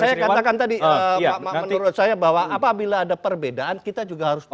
saya katakan tadi menurut saya bahwa apabila ada perbedaan kita juga harus tahu